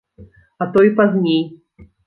А то і пазней.